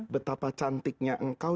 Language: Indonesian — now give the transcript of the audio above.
betapa cantiknya engkau